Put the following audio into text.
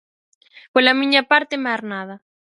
Pola miña parte máis nada.